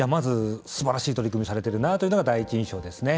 すばらしい取り組みをされているなというのが第一印象ですね。